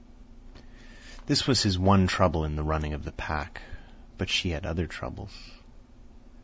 This was his one trouble in the running of the pack; but she had other troubles.